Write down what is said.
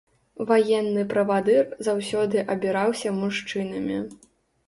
Ваенны правадыр заўсёды абіраўся мужчынамі.